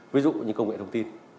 ví dụ như công nghệ thông tin